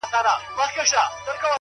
او په تصوير كي مي،